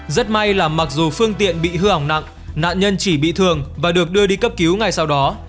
rất may là mặc dù phương tiện bị hư hỏng nặng nạn nhân chỉ bị thương và được đưa đi cấp cứu ngay sau đó